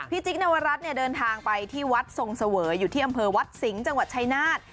จิ๊กนวรัฐเนี่ยเดินทางไปที่วัดทรงเสวยอยู่ที่อำเภอวัดสิงห์จังหวัดชายนาฏ